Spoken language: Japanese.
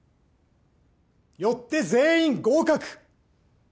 よって全員合格！